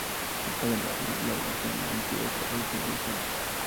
Su padre David Doyle fue un antiguo jugador de fútbol sala.